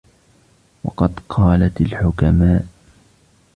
وَقَدْ قَالَتْ الْحُكَمَاءُ